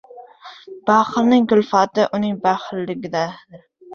• Baxilning kulfati uning baxilligidadir.